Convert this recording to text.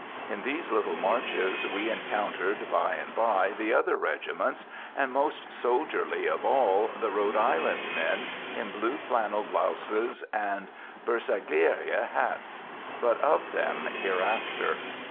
In these little marches, we encountered by and by the other regiments, and, most soldierly of all, the Rhode Island men, in blue flannel blouses and bersaglière hats. But of them hereafter.